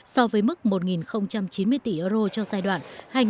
so với mức một chín mươi tỷ euro cho giai đoạn hai nghìn một mươi sáu hai nghìn hai mươi